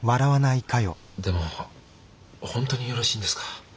でも本当によろしいんですか？